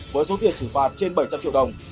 với số tiền xử phạt trên bảy trăm linh triệu đồng